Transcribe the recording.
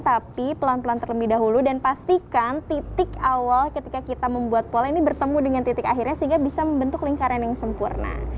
tapi pelan pelan terlebih dahulu dan pastikan titik awal ketika kita membuat pola ini bertemu dengan titik akhirnya sehingga bisa membentuk lingkaran yang sempurna